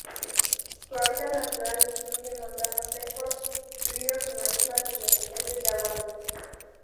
Su hábitat natural incluye montanos secos, ríos y marismas intermitentes de agua dulce.